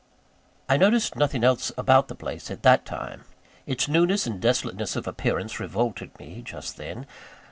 I noticed nothing else about the place at that time. Its newness and desolateness of appearance revolted me, just then.